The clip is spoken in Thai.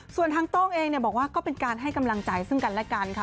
ส่วนทางโต้งเองบอกว่าก็เป็นการให้กำลังใจซึ่งกันและกันค่ะ